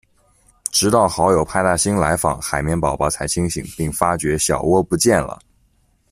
直到好友派大星来访，海绵宝宝才清醒，并发觉小蜗不见了。